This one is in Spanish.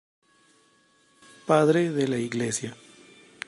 Padre de la Iglesia.